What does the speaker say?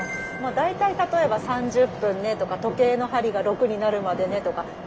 大体例えば３０分ねとか時計の針が６になるまでねとか。